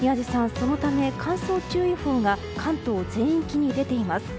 そのため、乾燥注意報が関東全域に出ています。